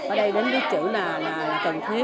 ở đây đến biết chữ là cần thiết